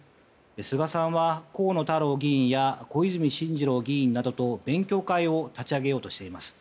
菅さんは河野太郎議員や小泉進次郎議員などと勉強会を立ち上げようとしています。